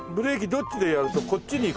どっちでやるとこっちに行くとあれですか？